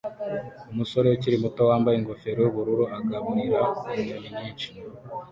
Umusore ukiri muto wambaye ingofero yubururu agaburira inyoni nyinshi